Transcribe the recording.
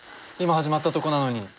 今始まったとこなのに。